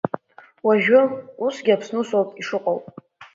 Уажәы, усгьы Аԥсны усоуп ишыҟоу.